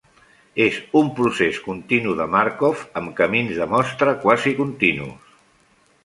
És un procés continu de Markov amb camins de mostra quasi continus.